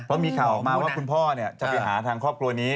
เพราะมีข่าวออกมาว่าคุณพ่อจะไปหาทางครอบครัวนี้